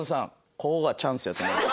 ここがチャンスやと思ってます。